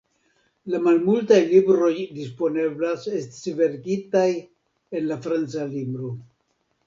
La malmultaj libroj disponeblaj estis verkitaj en la franca lingvo.